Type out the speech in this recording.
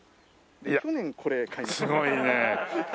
去年これ買いました。